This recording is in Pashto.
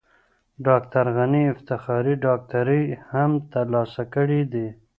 ډاکټر غني افتخاري ډاکټرۍ هم ترلاسه کړې دي.